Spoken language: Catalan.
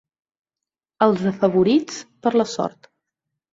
Els afavorits per la sort.